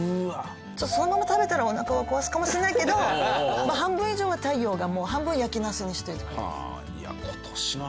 そのまま食べたらおなかは壊すかもしれないけど半分以上は太陽がもう半分焼きナスにしておいてくれる。